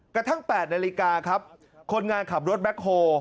กระทั่ง๘นาฬิกาครับคนงานขับรถแบ็คโฮ